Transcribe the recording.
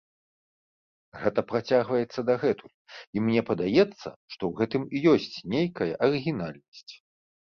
Гэта працягваецца дагэтуль, і мне падаецца, што ў гэтым і ёсць нейкая арыгінальнасць.